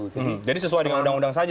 jadi sesuai dengan undang undang saja